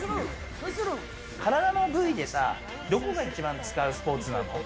体の部位でさ、どこを一番使うスポーツなの？